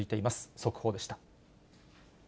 速報でした。